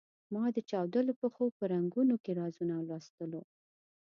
ما د چاودلو پښو په رنګونو کې رازونه لوستلو.